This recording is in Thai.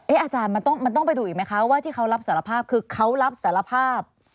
อาจารย์มันต้องไปดูอีกไหมคะว่าที่เขารับสารภาพคือเขารับสารภาพ